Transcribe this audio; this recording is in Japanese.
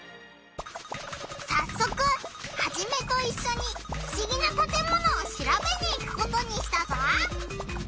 さっそくハジメといっしょにふしぎなたてものをしらべに行くことにしたぞ！